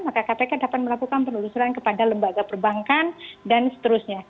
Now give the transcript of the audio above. maka kpk dapat melakukan penelusuran kepada lembaga perbankan dan seterusnya